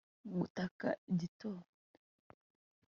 gukata igitondo